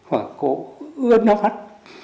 và cụ ướt nó mắt